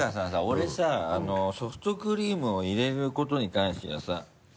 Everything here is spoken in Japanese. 俺さソフトクリームを入れることに関してはさ。